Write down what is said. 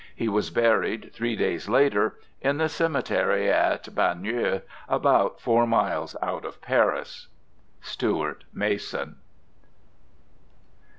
He was buried, three days later, in the cemetery at Bagneux, about four miles out of Paris. STUART MASON.